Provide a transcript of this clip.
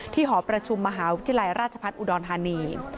หอประชุมมหาวิทยาลัยราชพัฒน์อุดรธานี